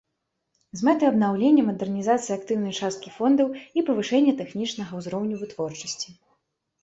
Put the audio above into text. З мэтай абнаўлення, мадэрнізацыі актыўнай часткі фондаў і павышэння тэхнічнага ўзроўню вытворчасці.